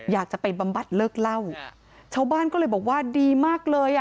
อยากจะไปบำบัดเลิกเล่าชาวบ้านก็เลยบอกว่าดีมากเลยอ่ะ